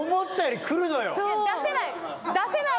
出せない。